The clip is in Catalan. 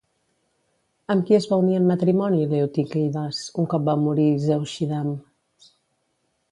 Amb qui es va unir en matrimoni Leotíquides un cop va morir Zeuxidam?